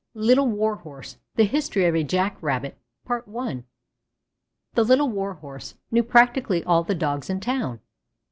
LITTLE WARHORSE The History of a Jack rabbit The Little Warhorse knew practically all the Dogs in town.